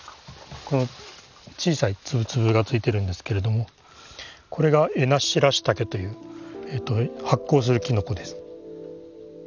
この小さい粒々がついてるんですけれどもこれがエナシラッシタケという発光するきのこです。